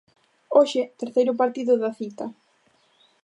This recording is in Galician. Hoxe, terceiro partido da cita.